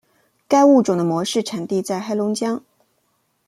该物种的模式产地在黑龙江。